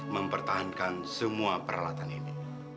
mempertahankan semua peralatan ini